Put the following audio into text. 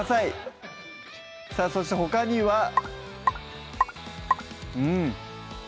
そしてほかにはうん